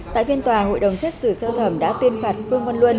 tại phiên tòa hội đồng xét xử sơ thẩm đã tuyên phạt vương văn luân